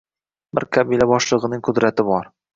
Bir qabila boshlig‘ining qudrati bor.